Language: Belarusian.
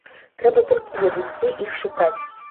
Трэба толькі ведаць, дзе іх шукаць.